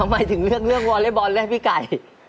ทำไมถึงเลือกวอเลฟบอลแหละพี่ไก่